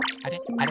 あれ？